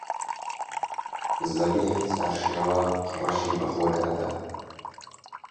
زەبیحی چارشێوە ڕەشی بە خۆدا دا